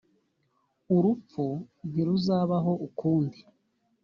urupfu ntiruzabaho ukundi